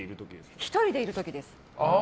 １人でいる時です。